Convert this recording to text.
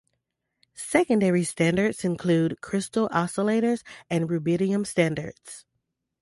Secondary standards include crystal oscillators and rubidium standards.